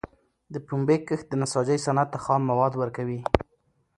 د پنبي کښت د نساجۍ صنعت ته خام مواد ورکوي.